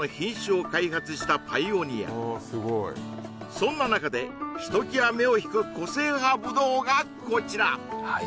そんな中でひときわ目を引く個性派ぶどうがこちらはい